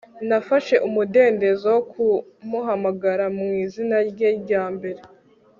nafashe umudendezo wo kumuhamagara mwizina rye rya mbere